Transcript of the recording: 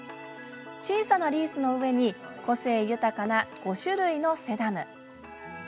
小さなリースの上に個性豊かな５種類のセダム。